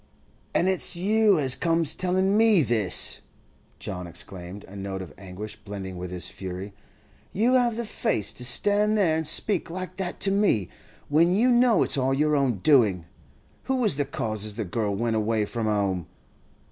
'An' it's you as comes tellin' me this!' John exclaimed, a note of anguish blending with his fury. 'You have the face to stand there an' speak like that to me, when you know it's all your own doing! Who was the cause as the girl went away from 'ome?